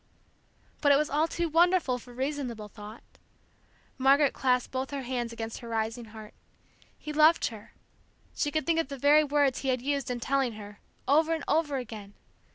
But it was all too wonderful for reasonable thought. Margaret clasped both her hands against her rising heart. He loved her. She could think of the very words he had used in telling her, over and over again.